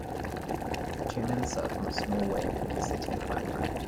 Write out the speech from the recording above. Two men surf on a small wave with a city in the background.